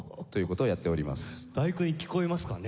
『第九』に聴こえますかね？